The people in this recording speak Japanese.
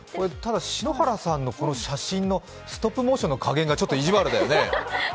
篠原さんの写真のストップモーションの加減がちょっといじわるだよね。